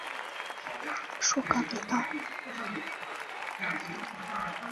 属河北道。